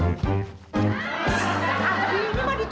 abi gak tegas deh